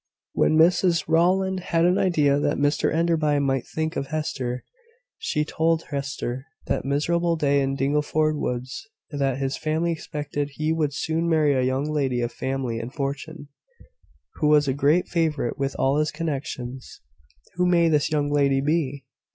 When Mrs Rowland had an idea that Mr Enderby might think of Hester, she told Hester that miserable day in Dingleford woods that his family expected he would soon marry a young lady of family and fortune, who was a great favourite with all his connections." "Who may this young lady be?"